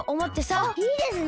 あっいいですね！